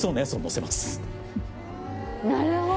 なるほど。